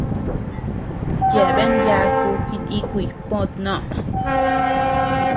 Yeabean yaku jinikuy pö tnoʼö.